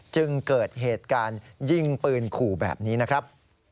จึงเกิดเหตุการณ์ยิงปืนขู่แบบนี้นะครับ